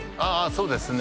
そうですね